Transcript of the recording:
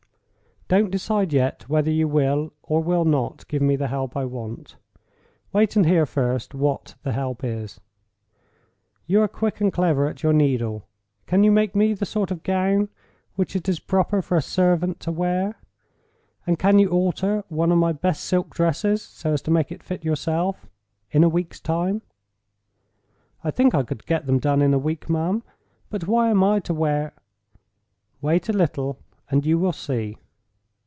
_ Don't decide yet whether you will, or will not, give me the help I want. Wait, and hear first what the help is. You are quick and clever at your needle. Can you make me the sort of gown which it is proper for a servant to wear—and can you alter one of my best silk dresses so as to make it fit yourself —in a week's time?" "I think I could get them done in a week, ma'am. But why am I to wear—" "Wait a little, and you will see.